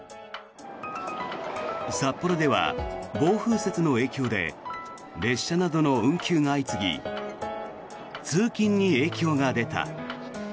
札幌では暴風雪の影響で列車などの運休が相次ぎ通勤に影響が出た。